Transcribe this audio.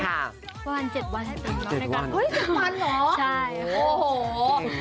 วัน๗วันอยู่ดีแล้วกัน